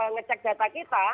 ngecek data kita